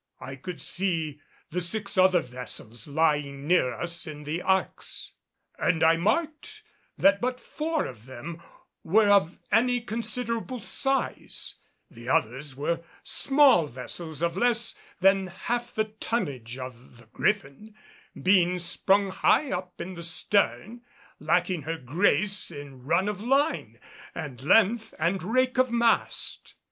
I could see the six other vessels lying near us in the Arques, and I marked that but four of them were of any considerable size; the others were small vessels of less than half the tonnage of the Griffin, being sprung high up in the stern, lacking her grace in run of line and length and rake of mast.